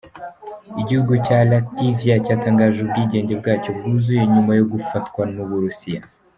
Igihugu cya Latvia cyatangaje ubwigenge bwacyo bwuzuye nyuma yo gufatwa n’uburusiya.